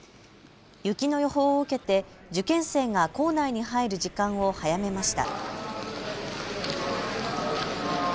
雪の予報を受けて受験生が校内に入る時間を早めました。